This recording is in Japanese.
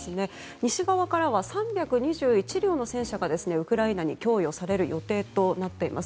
西側からは３２１両の戦車がウクライナに供与される予定となっています。